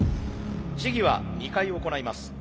試技は２回行います。